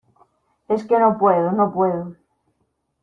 es que no puedo. no puedo .